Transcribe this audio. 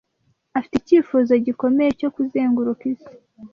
Afite icyifuzo gikomeye cyo kuzenguruka isi.